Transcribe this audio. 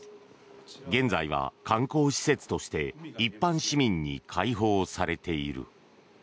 現在は観光施設として一般市民に開放されている。